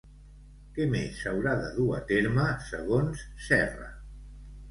Què més s'haurà de dur a terme segons Serra?